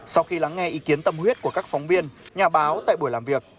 sau khi lắng nghe ý kiến tâm huyết của các phóng viên nhà báo tại buổi làm việc